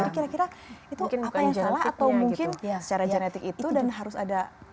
jadi kira kira itu apa yang salah atau mungkin secara genetik itu dan harus ada